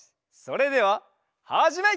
それでははじめ！